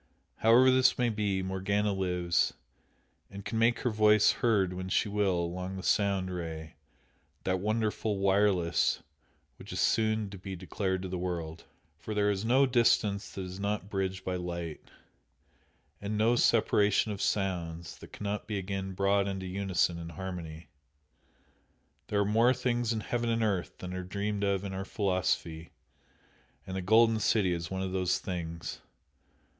However this may be, Morgana lives, and can make her voice heard when she will along the "Sound Ray" that wonderful "wireless" which is soon to be declared to the world. For there is no distance that is not bridged by light, and no separation of sounds that cannot be again brought into unison and harmony. "There are more things in heaven and earth than are dreamed of in our philosophy," and the "Golden City" is one of those things!